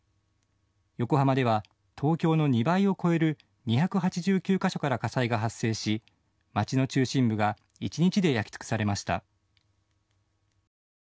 横浜では東京の２倍を超える２８９か所から火災が発生し街の中心部が一日で焼き尽くされました。